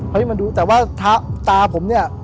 มาดูแต่ว่าตาผมเนี่ย